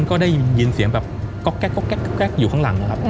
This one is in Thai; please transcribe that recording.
ก็ได้ยินเสียงแบบก๊อกอยู่ข้างหลังนะครับ